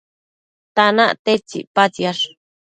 tanac tedtsi icpatsiash?